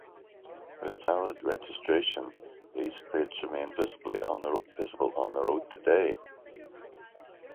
With valid registration, these plates remain visible on the road today.